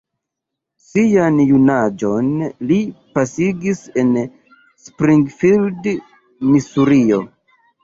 Sian junaĝon li pasigis en Springfield, Misurio.